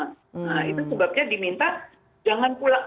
nah itu sebabnya diminta jangan pulang